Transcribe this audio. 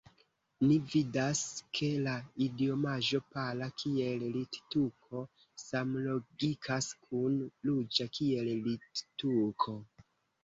Ni vidas, ke la idiomaĵo pala kiel littuko samlogikas kun ruĝa kiel littuko.